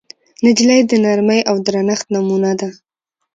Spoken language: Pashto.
نجلۍ د نرمۍ او درنښت نمونه ده.